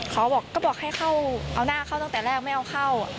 เขาบอกก็บอกให้เข้าเอาหน้าเข้าตั้งแต่แรกไม่เอาเข้า